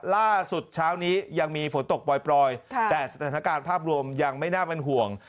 เช้านี้ยังมีฝนตกปล่อยแต่สถานการณ์ภาพรวมยังไม่น่าเป็นห่วง